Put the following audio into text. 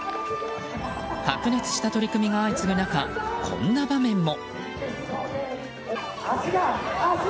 白熱した取組が相次ぐ中こんな場面も。